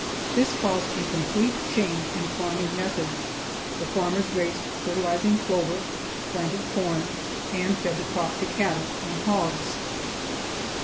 This caused a complete change in farming methods; the farmers raised fertilizing clover, planted corn, and fed the crop to cattle and hogs.